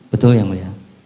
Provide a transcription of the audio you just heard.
betul ya mulia